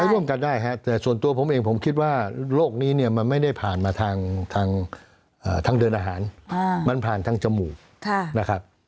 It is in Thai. ร่วมกันได้ครับแต่ส่วนตัวผมเองผมคิดว่าโรคนี้เนี่ยมันไม่ได้ผ่านมาทางเดินอาหารมันผ่านทางจมูกนะครับ